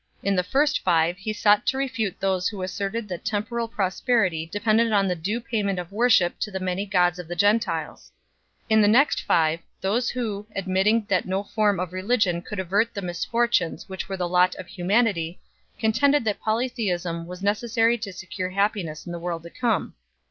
In the first five he sought to refute those who asserted that temporal prosperity de pended on the due payment of worship to the many gods of the Gentiles; in the next five, those who, admitting that no form of religion could avert the misfortunes which were the lot of humanity, contended that polytheism was necessary to secure happiness in the world to come.